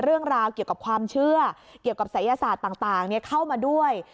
เรื่องราวเกี่ยวกับความเชื่อเกี่ยวกับศัยศาสตร์ต่างเข้ามาด้วย